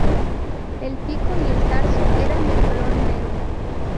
El pico y el tarso eran de color negro.